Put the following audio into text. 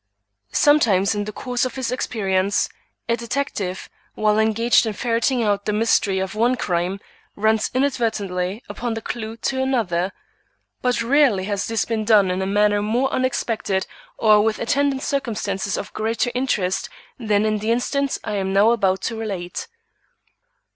Sometimes in the course of his experience, a detective, while engaged in ferreting out the mystery of one crime, runs inadvertently upon the clue to another. But rarely has this been done in a manner more unexpected or with attendant circumstances of greater interest than in the instance I am now about to relate.